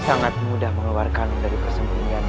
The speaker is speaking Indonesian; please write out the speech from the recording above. sangat mudah mengeluarkanmu dari kesembunyian